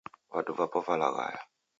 Vadu vapo valaghaya